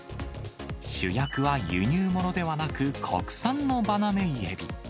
主役は輸入物ではなく、国産のバナメイエビ。